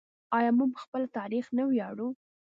آیا موږ په خپل تاریخ نه ویاړو؟